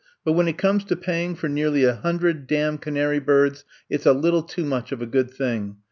*'But when it comes to paying for nearly a hundred damn canary birds, it 's a little too much of a good thing.